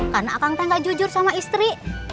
karena akang teh gak jujur sama istri